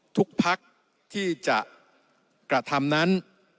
ทุกพักที่จะกระทำนั้น